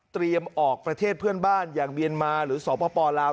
ออกประเทศเพื่อนบ้านอย่างเมียนมาหรือสปลาว